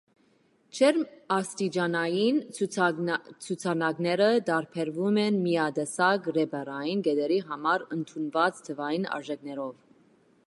Ջերմաստիճանային ցուցանակները տարբերվում են միատեսակ ռեպերային կետերի համար ընդունված թվային արժեքներով։